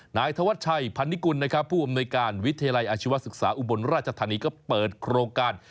นายธวัชชัยพันนิกุลนะครับผู้อำนวยการวิทยาลัยอาชีวศึกษาอุบลราชธานีก็เปิดโครงการ